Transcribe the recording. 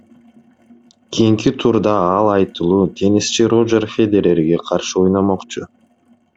Кийинки турда ал айтылуу теннисчи Рожер Федерерге каршы ойномокчу.